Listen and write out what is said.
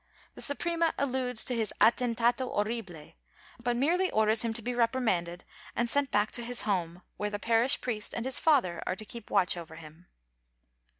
The Suprema alludes to his atentato horrible, but merely orders him to be reprimanded and sent back to his home, where the parish priest and his father are to keep watch over him.